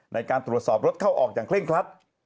ในการตรวจสอบรถเข้าออกอย่างเคร่งครัด